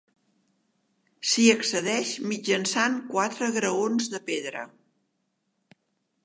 S'hi accedeix mitjançant quatre graons de pedra.